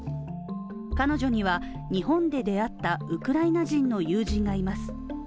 彼女には日本で出会ったウクライナ人友人人がいます。